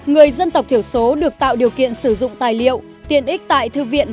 người dân tộc thiểu số được tạo điều kiện sử dụng tài liệu tiện ích tại thư viện